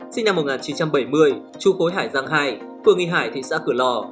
sinh năm một nghìn chín trăm bảy mươi chú cối hải giang hai phương nghị hải thị xã cửa lò